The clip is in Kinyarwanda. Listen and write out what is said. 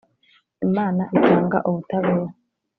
Imana itanga ubutabera